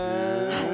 はい。